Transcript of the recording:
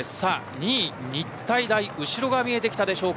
２位、日体大後ろが見えてきたでしょうか。